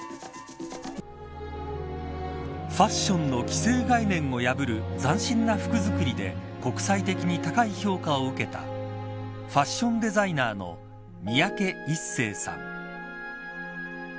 ファッションの既成概念を破る斬新な服作りで国際的に高い評価を受けたファッションデザイナーの三宅一生さん。